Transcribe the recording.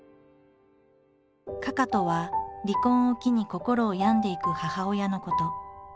「かか」とは離婚を機に心を病んでいく母親のこと。